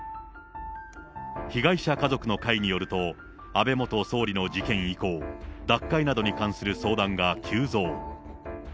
被害者家族の会によると、安倍元総理の事件以降、脱会などに関する相談が急増。